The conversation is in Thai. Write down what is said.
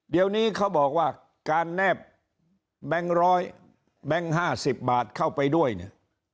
เดี๋ยวนี้เขาบอกว่าการแนบแบงค์ร้อยแบงค์๕๐บาทเข้าไปด้วยเนี่ย